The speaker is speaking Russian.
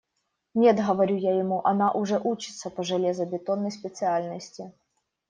«Нет, – говорю я ему, – она уже учится по железобетонной специальности».